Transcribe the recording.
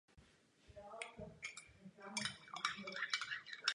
Jako hráč působil mimo Česka respektive Československa i v Rakousku.